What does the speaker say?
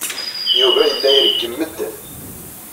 Yuba yella ireggem medden.